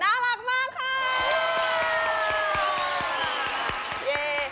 คุณทุกคนน่ารักมากค่ะ